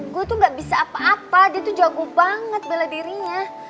gue tuh gak bisa apa apa dia tuh jago banget bela dirinya